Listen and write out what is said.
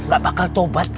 gak bakal tobat